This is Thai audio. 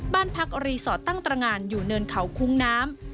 บ้านพักรีสอร์ทตั้งตรงานอยู่เนินเขาคุ้งน้ำ